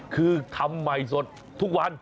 คือทำใหม่สดทุกวัน